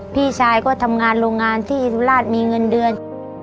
พี่ชายก็ทำงานโรงงานที่สุราชมีเงินเดือน